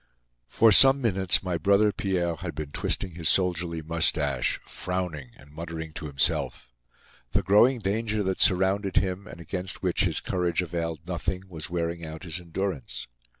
For some minutes my brother Pierre had been twisting his soldierly mustache, frowning and muttering to himself. The growing danger that surrounded him and against which his courage availed nothing, was wearing out his endurance.